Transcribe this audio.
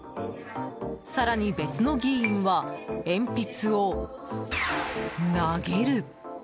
更に別の議員は鉛筆を投げる！